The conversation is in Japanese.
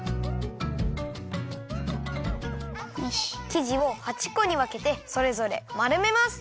きじを８こにわけてそれぞれまるめます。